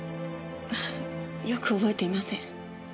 よく覚えていません。